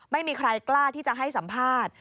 ไม่มีใครกล้าที่จะให้สัมภาษณ์